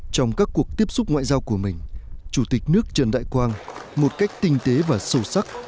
trong các cuộc tiếp xúc ngoại giao của mình chủ tịch nước trần đại quang một cách tinh tế và sâu sắc